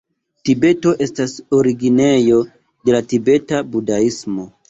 Tibeto estas originejo de la tibeta budaismo.